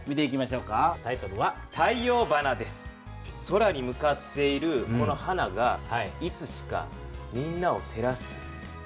空に向かっているこの花がいつしかみんなを照らす太陽に見えたんです。